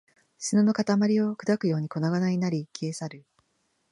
砂の塊を砕くように粉々になり、消え去る